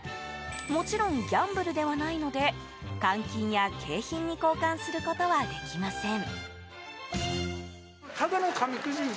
もちろんギャンブルではないので換金や景品に交換することはできません。